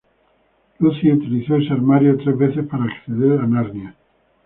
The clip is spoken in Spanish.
Lucy utilizó ese armario tres veces para acceder a Narnia.